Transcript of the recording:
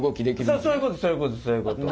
そうそういうことそういうこと。